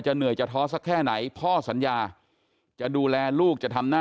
แต่เมื่อจะเหนื่อยจะซะแค่ไหน